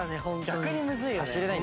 逆にむずいよね。